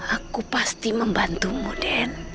aku pasti membantumu den